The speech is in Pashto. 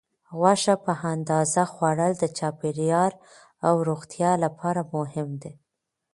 غوښه په اندازه خوړل د چاپیریال او روغتیا لپاره مهم دي.